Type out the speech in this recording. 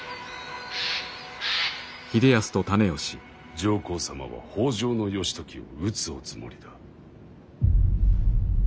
上皇様は北条義時を討つおつもりだ。